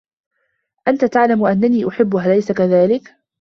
أنت تعلم أنّي أحبّه، أليس كذلك؟